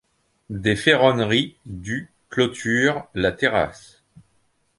Des ferronneries du clôturent la terrasse.